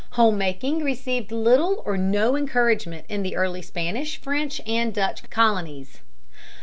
Home making received little or no encouragement in the early Spanish, French, and Dutch colonies.